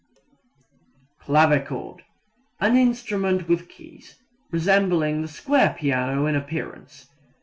Clavichord an instrument with keys, resembling the square piano in appearance.